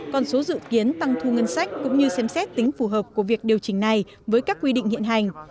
con số dự kiến tăng thu ngân sách cũng như xem xét tính phù hợp của việc điều chỉnh này với các quy định hiện hành